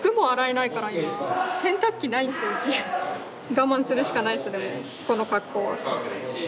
我慢するしかないですでもこの格好。